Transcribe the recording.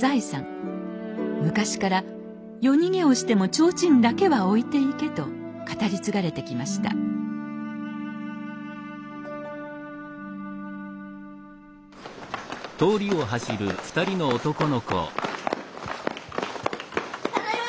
昔から「夜逃げをしても提灯だけは置いていけ」と語り継がれてきましたただいま！